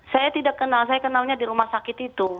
saya tidak kenal saya kenalnya di rumah sakit itu